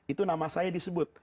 itu nama saya disebut